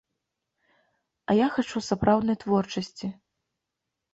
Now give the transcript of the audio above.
А я хачу сапраўднай творчасці.